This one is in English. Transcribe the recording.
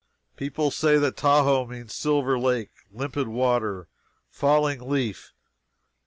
People say that Tahoe means "Silver Lake" "Limpid Water" "Falling Leaf."